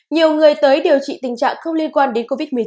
nhiều người tới điều trị tình trạng không liên quan đến covid một mươi chín